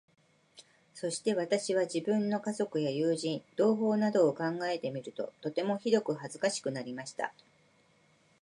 そして私は、自分の家族や友人、同胞などを考えてみると、とてもひどく恥かしくなりました。